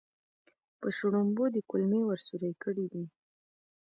په شړومبو دې کولمې ور سورۍ کړې دي.